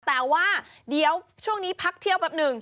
แต่ว่าเดี๋ยวช่วงนี้พักเที่ยวแป๊บหนึ่ง